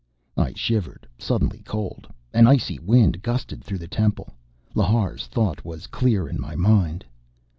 I shivered, suddenly cold. An icy wind gusted through the temple. Lhar's thought was clear in my mind.